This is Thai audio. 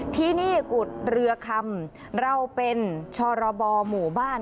ที่นี่กุฎเรือคำเราเป็นชรบหมู่บ้าน